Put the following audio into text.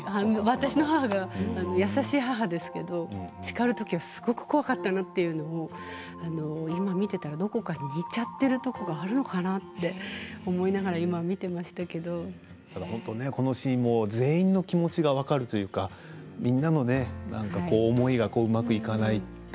私の母は優しい母ですけど叱るときすごく怖かったんだというのは今、見ていたらどこかに似ちゃっているところがあるのかなって思いながらこのシーンも全員の気持ちが分かるというかみんなの思いがうまくいかない。